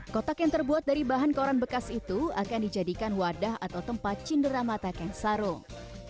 kotak yang terbuat dari bahan koran bekas itu akan dijadikan wadah atau tempat cindera mata kain sarung